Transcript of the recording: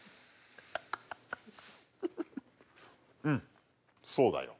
うんそうだよ。